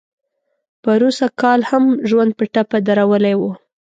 پروسږ کال هم ژوند په ټپه درولی و.